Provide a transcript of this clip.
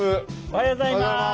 おはようございます！